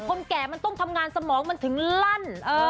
แก่มันต้องทำงานสมองมันถึงลั่น